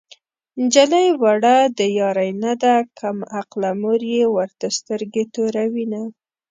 نجلۍ وړه د يارۍ نه ده کم عقله مور يې ورته سترګې توروينه